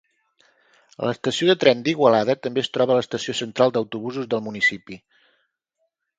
A l'estació de tren d'Igualada també es troba l'estació central d'autobusos del municipi.